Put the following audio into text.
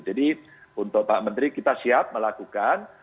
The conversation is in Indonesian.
jadi untuk pak menteri kita siap melakukan